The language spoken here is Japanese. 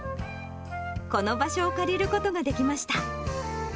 この場所を借りることができました。